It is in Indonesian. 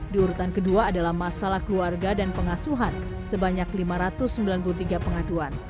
di urutan kedua adalah masalah keluarga dan pengasuhan sebanyak lima ratus sembilan puluh tiga pengaduan